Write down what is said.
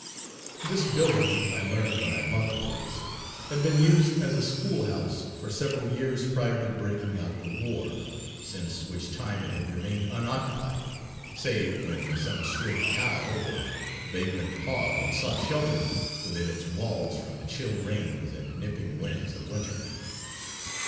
This building, I learned when I bought the place, had been used as a schoolhouse for several years prior to the breaking out of the war, since which time it had remained unoccupied, save when some stray cow or vagrant hog had sought shelter within its walls from the chill rains and nipping winds of winter.